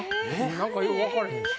何かよう分からへんし。